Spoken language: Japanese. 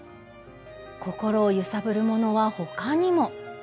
心を揺さぶるものは他にも。